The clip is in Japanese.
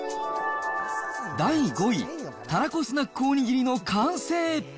第５位、たらこスナックおにぎりの完成。